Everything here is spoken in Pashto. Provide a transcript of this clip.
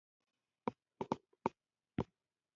هر څوک اساسي اړتیاوو لاس رسي ولري.